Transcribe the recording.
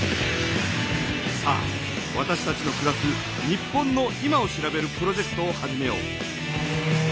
さあわたしたちのくらす日本の今を調べるプロジェクトを始めよう。